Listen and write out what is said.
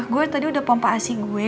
gue tadi udah pompa asi gue